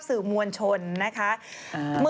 สวัสดีครับ